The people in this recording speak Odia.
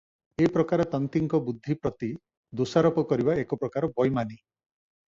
ଏ ପ୍ରକାର ତନ୍ତୀଙ୍କ ବୁଦ୍ଧି ପ୍ରତି ଦୋଷାରୋପ କରିବା ଏକପ୍ରକାର ବୈମାନି ।